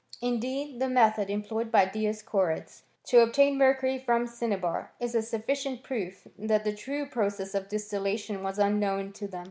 Indeed, the method employed by Dioscorideis to obtain mercury from cinnabar, is a sufficient proof that the true process of distillation was unknown tQ them.